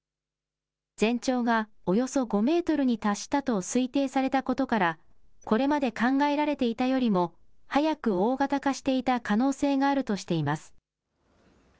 全長がおよそ５メートルに達したと推定されたことから、これまで考えられていたよりも早く大型化していた可能性があるとしています。